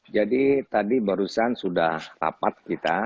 jadi tadi barusan sudah rapat kita